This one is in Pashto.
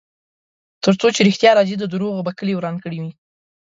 ترڅو چې ریښتیا راځي، دروغو به کلی وران کړی وي.